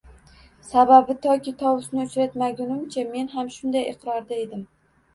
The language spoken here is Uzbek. Sababi toki tovusni uchratmagunimcha men ham shunday iqrorda edim